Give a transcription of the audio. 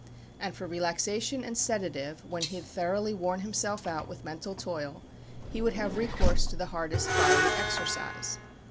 And for relaxation and sedative, when he had thoroughly worn himself out with mental toil, he would have recourse to the hardest bodily exercise.